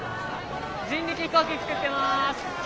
人力飛行機作ってます。